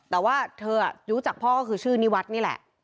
แต่ว่าเธอรู้จักพ่อก็คือชื่อนิวัฒน์นี่แหละ